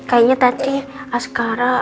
kayaknya tadi askara